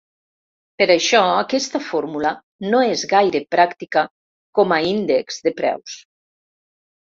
Per això, aquesta fórmula no és gaire pràctica com a índex de preus.